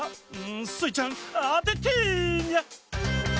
スイちゃんあててニャ！